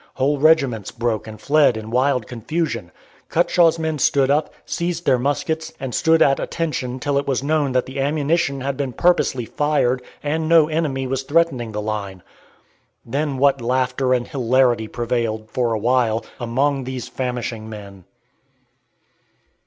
Whole regiments broke and fled in wild confusion. Cutshaw's men stood up, seized their muskets, and stood at attention till it was known that the ammunition had been purposely fired and no enemy was threatening the line. Then what laughter and hilarity prevailed, for a while, among these famishing men!